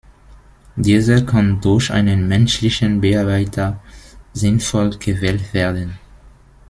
Dieser kann durch einen menschlichen Bearbeiter sinnvoll gewählt werden.